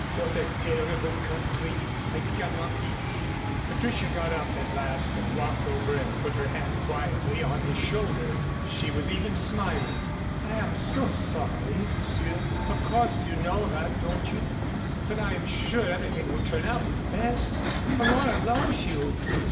"What a terrible country. I cannot believe " Patricia got up at last and walked over and put her hand quietly on his shoulder. She was even smiling. "I am so sorry, Monsieur. Of course you know that, don't you? But I am sure everything will turn out for the best. Aurora loves you.